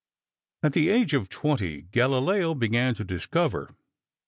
At the age of 20 Galileo began to discover.